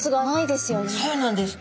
そうなんです。